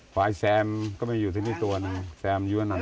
ขวายแซมก็ไม่อยู่ที่นี่ตัวนี่แซมยัวรณ์นั้น